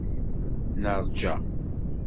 Neṛja.